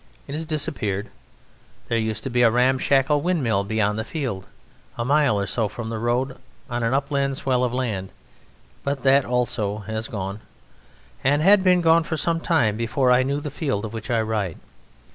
It has disappeared. There used to be a ramshackle windmill beyond the field, a mile or so from the road, on an upland swell of land, but that also has gone, and had been gone for some time before I knew the field of which I write.